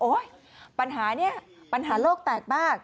โอ๊ยปัญหาเนี่ยปัญหาโลกแตกบ้าง